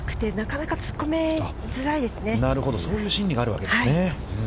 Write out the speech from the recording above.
なるほど、そういう心理があるわけですね。